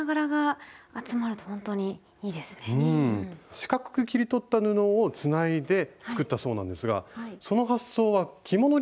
四角く切り取った布をつないで作ったそうなんですがその発想は着物リメイクからきているんですか？